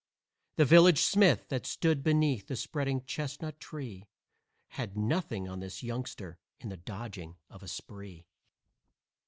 The village smith that stood beneath the spreading chestnut tree Had nothing on this youngster in the dodging of a spree.